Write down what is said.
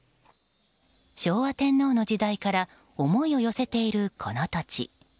昭和天皇の時代から思いを寄せているこの土地。